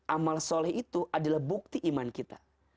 amal soleh itu adalah bukti iman kita